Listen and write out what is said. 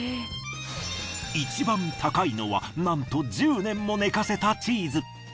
いちばん高いのはなんと１０年も寝かせたチーズ。